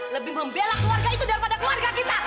lebih membela keluarga itu daripada keluarga kita